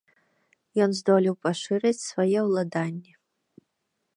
Ён здолеў пашырыць свае ўладанні.